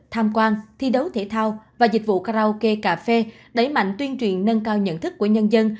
tham quan thi đấu thể thao và dịch vụ karaoke cà phê đẩy mạnh tuyên truyền nâng cao nhận thức của nhân dân